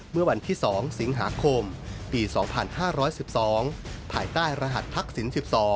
เมื่อวันที่๒สิงหาคมปี๒๕๑๒ภายใต้รหัสทักษิณ๑๒